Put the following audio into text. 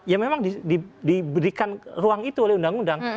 ya memang diberikan ruang itu oleh undang undang